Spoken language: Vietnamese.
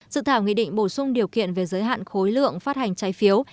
dự thảo nghị định bổ sung điều kiện về giới hạn khối lượng phát hành trái phiếu